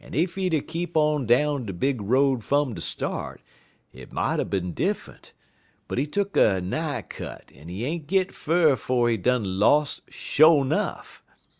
Ef he'd er kep' on down de big road fum de start, it moughter bin diffunt, but he tuck a nigh cut, en he ain't git fur 'fo' he done los' sho' 'nuff.